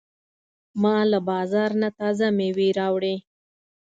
ما له بازار نه تازه مېوې راوړې.